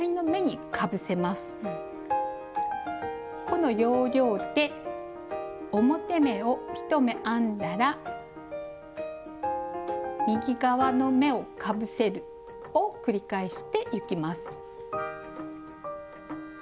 この要領で表目を１目編んだら右側の目をかぶせるを繰り返していきます。